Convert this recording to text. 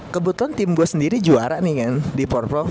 kebetulan tim gue sendiri juara nih kan di portfo